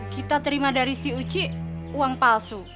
kita terima dari si uji uang palsu